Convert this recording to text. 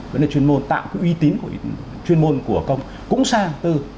vẫn là chuyên môn tạo cái uy tín của chuyên môn của công cũng sang tư